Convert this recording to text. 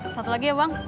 satu lagi ya bang